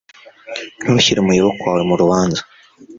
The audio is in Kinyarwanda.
Ntushyire umuyoboke wawe mu rubanza